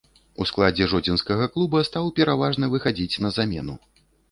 У складзе жодзінскага клуба стаў пераважна выхадзіць на замену.